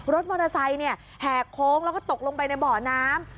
รถมอเตอร์ไซค์แหกโค้งแล้วก็ตกลงไปในเบาะน้ำ